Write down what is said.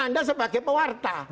anda sebagai pewarta